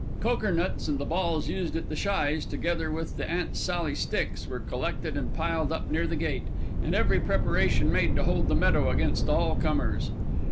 Cokernuts and the balls used at the shies, together with the Aunt Sally sticks, were collected and piled up near the gate, and every preparation made to hold the meadow against all comers.